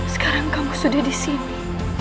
sekarang kamu sudah disini